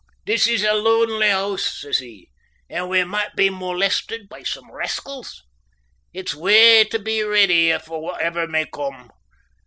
"This is a lonely hoose," says he, "and we might be molested by some rascals. It's weel tae be ready for whatever may come.